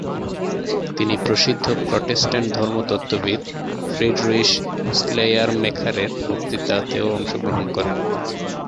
তিনি প্রসিদ্ধ Protestant ধর্মতত্ত্ববিদ Friedrich শ্লেইয়ারমেখারের বক্তৃতাতেও অংশগ্রহণ করেন।